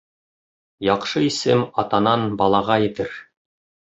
Яҡшы исем атанан балаға етер.